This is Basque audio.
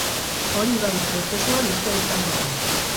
Hori bai, prozesua luzea izango da.